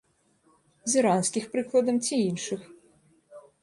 З іранскіх, прыкладам ці іншых.